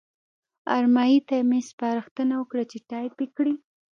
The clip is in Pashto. ارمایي ته مې سپارښتنه وکړه چې ټایپ یې کړي.